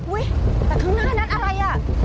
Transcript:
อุ๊ยแต่ข้างหน้านั้นอะไร